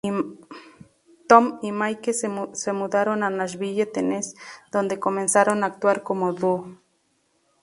Tom y Mike se mudaron a Nashville, Tennessee, donde comenzaron a actuar como dúo.